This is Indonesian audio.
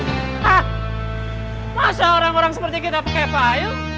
hah masa orang orang seperti kita pakai payung